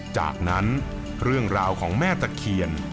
จากนั้นเรื่องราวของแม่ตะเคียน